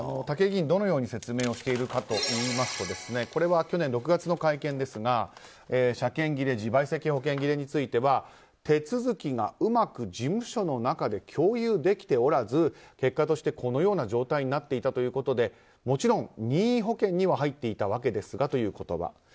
武井議員、どのようにせつめいをしているかというと去年６月の会見ですが車検切れ自賠責保険切れについては手続きがうまく事務所の中で共有できておらず結果としてこのような状態になっていたということでもちろん、任意保険には入っていたわけですがという言葉。